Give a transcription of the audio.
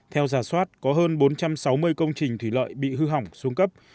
theo giả soát có hơn bốn trăm sáu mươi công trình thủy lợi bị hư hỏng xuống cấp